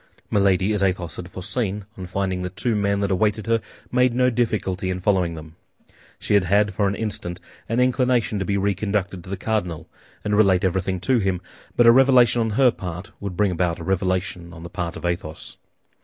Milady, as Athos had foreseen, on finding the two men that awaited her, made no difficulty in following them. She had had for an instant an inclination to be reconducted to the cardinal, and relate everything to him; but a revelation on her part would bring about a revelation on the part of Athos.